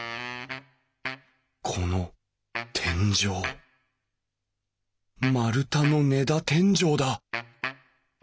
この天井丸太の根太天井だ。